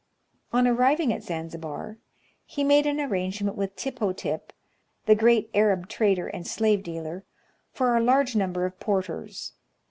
On arriving at Zanzibar, he made an arrangement with Tippo Tip, the great Arab trader and slave dealer, for a large number of porters.